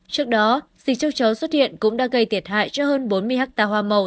trước đó dịch châu chấu xuất hiện cũng đã gây thiệt hại cho hơn bốn mươi ha hoa màu